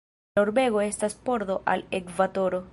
La urbego estas pordo al Ekvatoro.